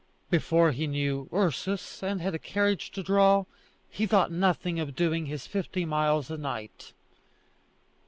Before he knew Ursus and had a carriage to draw, he thought nothing of doing his fifty miles a night.